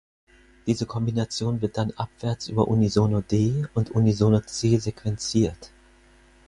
Diese Kombination wird dann abwärts über Unisono-D und Unisono-C sequenziert.